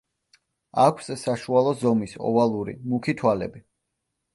აქვს საშუალო ზომის, ოვალური, მუქი თვალები.